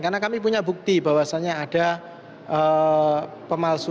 karena kami punya bukti bahwasannya ada pemalsuan dalam akta otentik